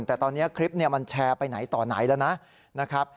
แต่ตอนนี้คลิปมันแชร์ไปไหนต่อไหนแล้วนะครับ